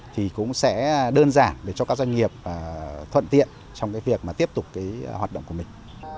thì cũng sẽ đơn giản để cho các doanh nghiệp thuận tiện trong việc tiếp tục hoạt động của mình